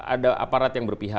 ada aparat yang berbeda